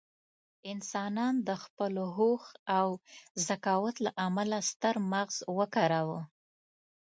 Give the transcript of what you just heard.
انسانان د خپل هوښ او ذکاوت له امله ستر مغز وکاروه.